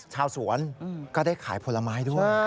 ชาวสวนก็ได้ขายผลไม้ด้วย